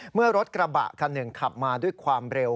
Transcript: เมื่อรถกระบะคันหนึ่งขับมาด้วยความเร็ว